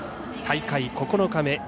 大会９日目。